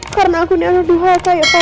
karena aku nih ada dua kaya papa